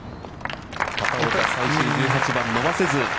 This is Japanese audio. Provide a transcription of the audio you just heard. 片岡、最終１８番、伸ばせず。